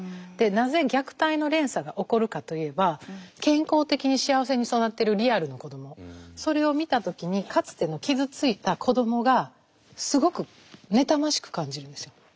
なぜ虐待の連鎖が起こるかといえば健康的に幸せに育っているリアルの子どもそれを見た時にかつての傷ついた子どもがすごく妬ましく感じるんですよ。